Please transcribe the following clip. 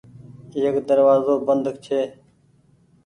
ايڪ دروآزو بند ڇي۔